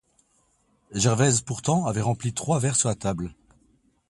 Gervaise pourtant avait rempli trois verres sur la table.